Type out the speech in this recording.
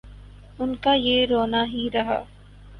ان کا یہ رونا ہی رہا۔